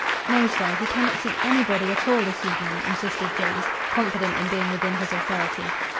"No, sir. He cannot see anybody at all this evening," insisted James, confident in being within his authority.